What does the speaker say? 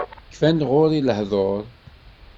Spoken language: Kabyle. Kfan ɣur-i lehdur.